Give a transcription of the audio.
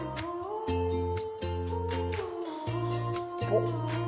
おっ。